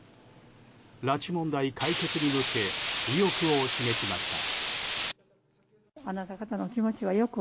拉致問題解決に向け意欲を示しました。